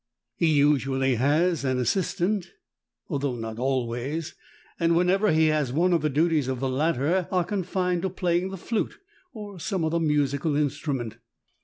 He usually has an assistant, though not always, and whenever he has one the duties of the latter are confined to playing the flute or some other musical instru ment.